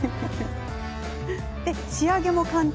仕上げも簡単。